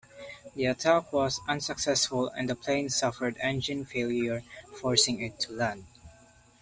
The attack was unsuccessful and the plane suffered engine failure forcing it to land.